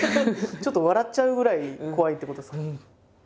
ちょっと笑っちゃうぐらい怖いってことですか。